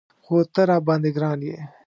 خو ته راباندې ګران یې.